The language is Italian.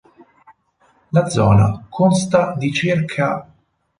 La zona consta di ca.